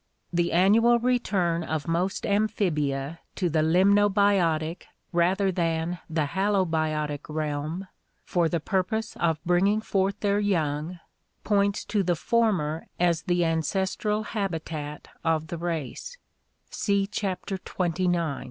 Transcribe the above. The annual return of most amphibia to the limnobiotic rather than the halobiotic realm for the purpose of bringing forth their young points to the former as the ancestral habitat of the race (see Chapter XXIX).